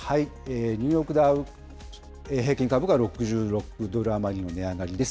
ニューヨークダウ平均株価は６６ドル余りの値上がりです。